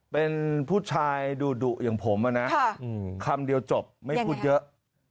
เป็นผู้ชายดุอย่างผมนะคำเดียวจบไม่พูดเยอะ